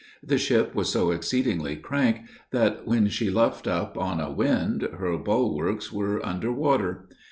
The ship was so exceedingly crank, that when she luffed up on a wind, her bulwarks were under water.